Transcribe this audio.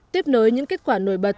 tiếp nối những kết quả nổi bật